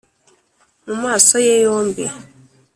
mu maso ye yombi